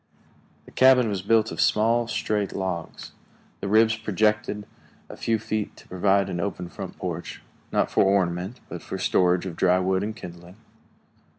The cabin was built of small, straight logs. The ribs projected a few feet to provide an open front porch not for ornament, but for storage of dry wood and kindling.